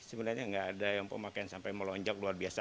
sebenarnya nggak ada yang pemakaian sampai melonjak luar biasa